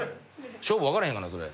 勝負分からへんそれ。